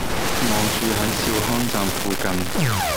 我住喺兆康站附近